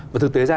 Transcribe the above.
và thực tế ra